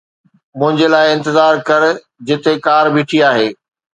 منهنجي لاءِ انتظار ڪر جتي ڪار بيٺي آهي